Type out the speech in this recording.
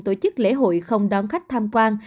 tổ chức lễ hội không đón khách tham quan